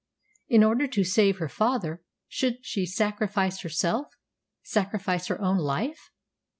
In order to save her father, should she sacrifice herself sacrifice her own life?